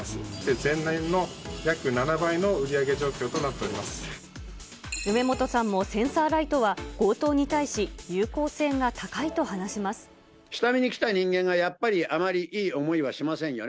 前年の約７倍の売り上げ状況とな梅本さんも、センサーライトは強盗に対し、下見に来た人間が、やっぱりあまりいい思いはしませんよね。